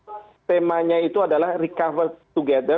ini kan kita mengusung temanya itu adalah recover together stronger together